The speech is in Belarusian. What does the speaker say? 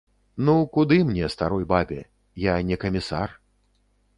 Ну, куды мне, старой бабе, я не камісар.